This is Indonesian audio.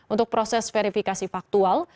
untuk proses verifikasi faktual